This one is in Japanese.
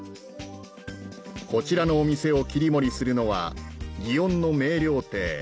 こちらのお店を切り盛りするのは祇園の名料亭